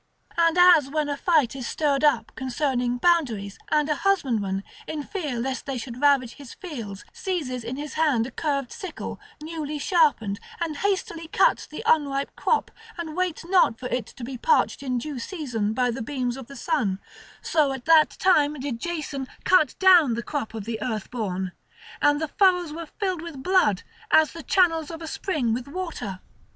And as when a fight is stirred up concerning boundaries, and a husbandman, in fear lest they should ravage his fields, seizes in his hand a curved sickle, newly sharpened, and hastily cuts the unripe crop, and waits not for it to be parched in due season by the beams of the sun; so at that time did Jason cut down the crop of the Earthborn; and the furrows were filled with blood, as the channels of a spring with water.